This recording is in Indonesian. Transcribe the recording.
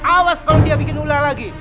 awas kalau dia bikin ulah lagi